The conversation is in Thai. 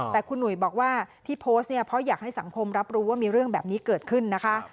แต่คุณหนุ่ยบอกว่าที่โพสต์เนี่ยเพราะอยากให้สังคมรับรู้ว่ามีเรื่องแบบนี้เกิดขึ้นนะคะ